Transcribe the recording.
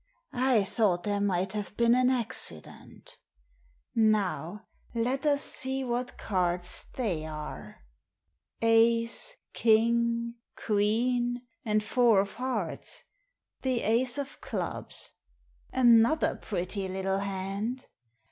I thought there might have been an accident Now let us see what cards they are. Ace, king, queen, and four of hearts, the ace of clubs — another pretty little hand!